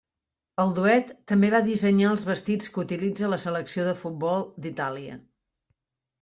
El duet també va dissenyar els vestits que utilitza la selecció de futbol d'Itàlia.